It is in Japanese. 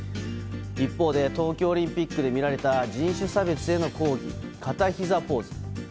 一方で、東京オリンピックで見られた人種差別への抗議、片ひざポーズ。